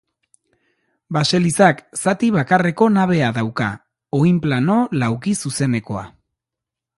Baselizak zati bakarreko nabea dauka, oinplano laukizuzenekoa.